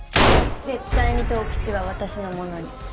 絶対に十吉は私のものにする。